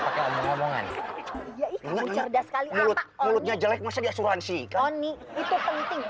pakai omong omongan iya iya cerdas kali apa mulutnya jelek masa di asuransi itu penting